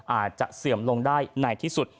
อาจจะเสื่อมลงได้ในที่สุด